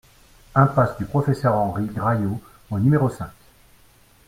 Impasse du Professeur Henri Graillot au numéro cinq